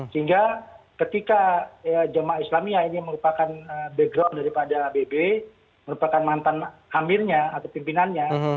sehingga ketika jamaah islamiyah ini merupakan background daripada abb merupakan mantan amirnya atau pimpinannya